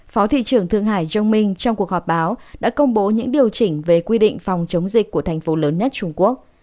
phó thị trưởng thương hải jong minh trong cuộc họp báo đã công bố những điều chỉnh về quy định phòng chống dịch của thành phố lớn nhất trung quốc